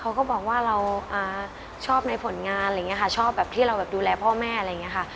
เขาก็บอกว่าเราชอบในผลงานอะไรอย่างนี้ค่ะชอบแบบที่เราแบบดูแลพ่อแม่อะไรอย่างนี้ค่ะ